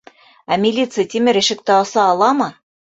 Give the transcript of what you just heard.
Ә милиция тимер ишекте аса аламы?